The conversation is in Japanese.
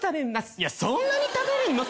いやそんなに食べるの？